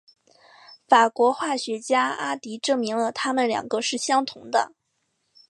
法国化学家阿迪证明了它们两个是相同的。